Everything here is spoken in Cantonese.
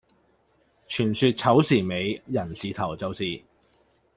傳說丑時尾寅時頭就是